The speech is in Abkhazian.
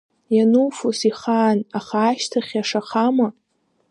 Иануфоз ихаан, аха ашьҭахь иашахама?!